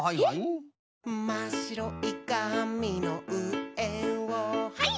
「まっしろいかみのうえをハイ！」